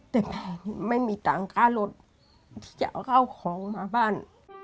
แต่แม่ไม่มีตังค์ค่ารถที่จะเอาข้าวของมาบ้าน